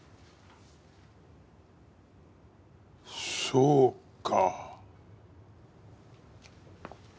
そうか。